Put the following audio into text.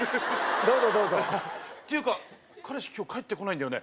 どうぞどうぞっていうか彼氏今日帰ってこないんだよね？